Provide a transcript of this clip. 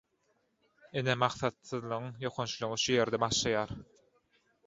Ine maksatsyzlygyň ýokançlygy şu ýerde başlaýar.